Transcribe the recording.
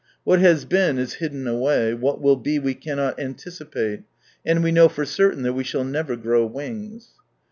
What has been is hidden away, what will be we cannot anticipate, and we know for certain that we shall never grow wings.